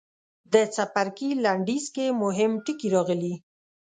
د څپرکي لنډیز کې مهم ټکي راغلي.